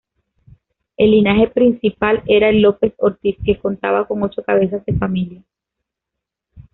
El linaje principal era el López-Ortiz que contaba con ocho cabezas de familia.